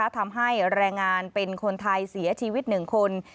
ทำให้แรงงานเป็นคนไทยเสียชีวิต๑คน